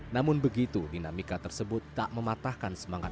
namun begitu dinamika tersebut tak mematahkan semangat